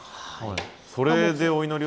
それでお祈りを？